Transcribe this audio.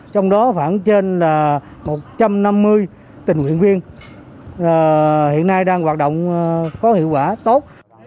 trong đó khoảng trên một trăm năm mươi tình nguyện viên hiện nay đang hoạt động có hiệu quả tốt